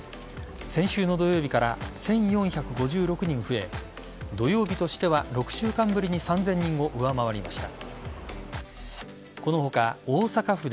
先週の土曜日から１４５６人増え土曜日としては６週間ぶりに３０００人を上回りました。